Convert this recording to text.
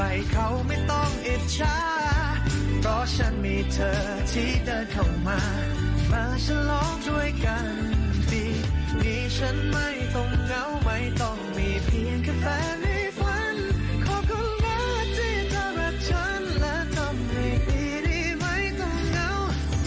อย่างกับมีมนตร์วิเศษคุณผู้ชมขา